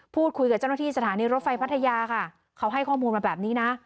พูดคุยกับเจ้าหน้าที่สถานีรถไฟพัทยาค่ะเขาให้ข้อมูลมาแบบนี้นะ